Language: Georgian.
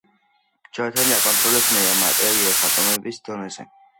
ჯონათანი აკონტროლებს მატერიას ატომების დონეზე.